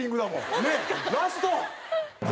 ねっラスト。